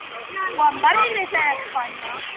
Quan va regressar a Espanya?